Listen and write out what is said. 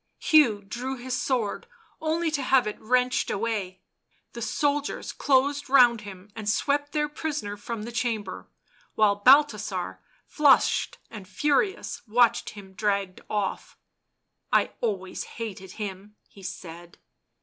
Hugh drew his sword, only to have it wrenched away. The soldiers closed round him and swept their prisoner from the chamber, while Balthasar, flushed and furious, watched him dragged off. " I always hated him," he said.